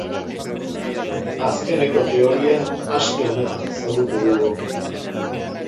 Azkeneko teoria aste honetan ezagutu dugu.